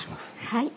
はい。